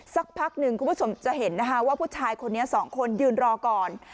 สักพักหนึ่งคุณผู้ชมจะเห็นนะคะว่าผู้ชายคนนี้สองคนยืนรอก่อน